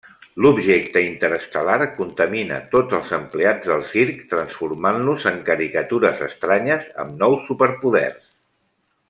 L'objecte interestel·lar contamina tots els empleats del circ, transformant-los en caricatures estranyes, amb nous superpoders.